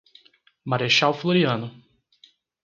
Marechal Floriano